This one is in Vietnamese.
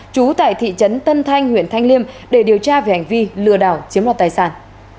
trú tại thị trấn tân thanh huyện thanh liêm để điều tra về hành vi lừa đảo chiếm đoạt tài sản